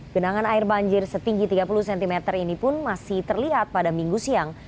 genangan air banjir setinggi tiga puluh cm ini pun masih terlihat pada minggu siang